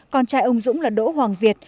con trai ông dũng là đỗ hoàng việt